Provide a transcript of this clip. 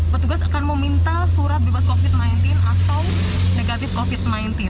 petugas akan meminta surat bebas covid sembilan belas atau negatif covid sembilan belas